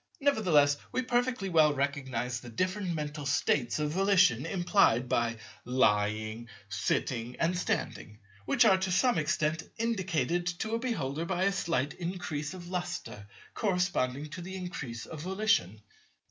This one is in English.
Nevertheless, we perfectly well recognize the different mental states of volition implied by "lying," "sitting," and "standing," which are to some extent indicated to a beholder by a slight increase of lustre corresponding to the increase of volition.